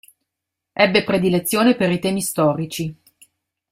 Ebbe predilezione per i temi storici.